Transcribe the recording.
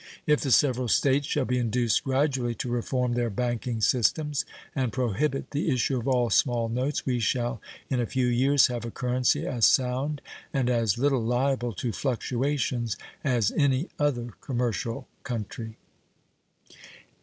If the several States shall be induced gradually to reform their banking systems and prohibit the issue of all small notes, we shall in a few years have a currency as sound and as little liable to fluctuations as any other commercial country.